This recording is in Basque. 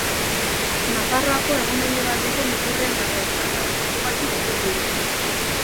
Nafarroako hego-mendebaleko muturrean dago, Arabako mugatik hurbil.